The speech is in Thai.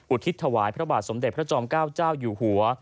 ทิศถวายพระบาทสมเด็จพระจอมเก้าเจ้าอยู่หัว